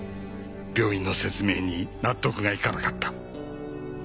病院の説明に納得がいかなかった。